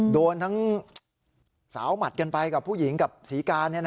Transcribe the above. โดนทั้งสาวหมัดกันไปกับผู้หญิงกับศรีกา